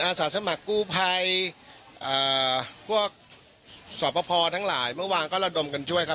อาสาสมกุภัยเอ่อพวกสพทั้งหลายเมื่อวานก็ระดมกันช่วยครับ